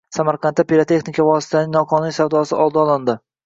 Samarqandda pirotexnika vositalarining noqonuniy savdosi oldi olindi